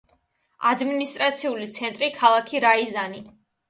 ადმინისტრაციული ცენტრი ქალაქი რიაზანი.